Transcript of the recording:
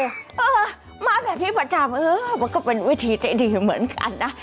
เออมาแบบนี้ประจำเออมันก็เป็นวิธีใจดีเหมือนกันนะ